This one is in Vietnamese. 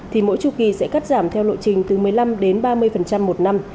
thì mỗi chư kỳ sẽ cắt giảm theo lộ trình từ một mươi năm ba mươi một năm